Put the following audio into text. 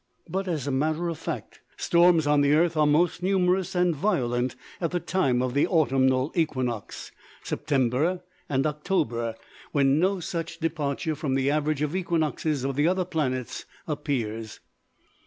But as a matter of fact, storms on the earth are most numerous and violent at the time of the autumnal equinox September and October when no such departure from the average of equinoxes of the other planets appears.